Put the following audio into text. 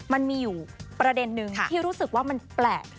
มันมีอยู่ประเด็นนึงที่รู้สึกว่ามันแปลก